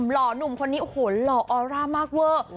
หล่อนุ่มคนนี้โหหล่ออร่ามากเว้ย